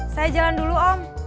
saya jalan dulu om